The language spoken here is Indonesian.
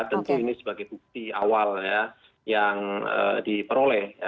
tentu ini sebagai bukti awal ya yang diperoleh